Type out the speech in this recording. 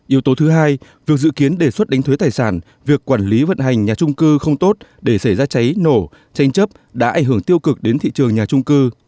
yếu tố thứ hai việc dự kiến đề xuất đánh thuế tài sản việc quản lý vận hành nhà trung cư không tốt để xảy ra cháy nổ tranh chấp đã ảnh hưởng tiêu cực đến thị trường nhà trung cư